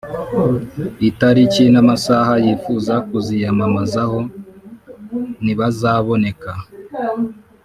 itariki n amasaha yifuza kuziyamamazaho nibazaboneka